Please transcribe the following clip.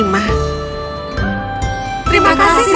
ini adalah kado natal terbaik yang pernah kami terima